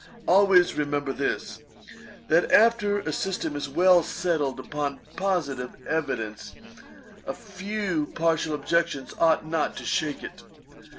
Always remember this, that after a system is well settled upon positive evidence, a few partial objections ought not to shake it.